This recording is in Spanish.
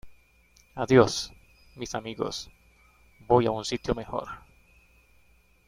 Adiós, mis amigos. Voy a un sitio mejor .